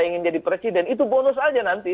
ingin jadi presiden itu bonus aja nanti